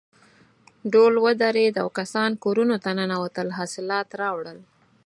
ډول ودرېد او کسان کورونو ته ننوتل حاصلات راوړل.